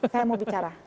saya mau bicara